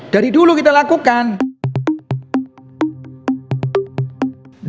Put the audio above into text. dari dulu kita lakukan